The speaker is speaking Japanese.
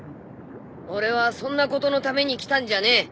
俺はそんなことのために来たんじゃねえ。